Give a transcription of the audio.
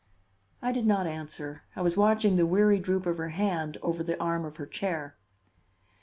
I did not answer; I was watching the weary droop of her hand over the arm of her chair.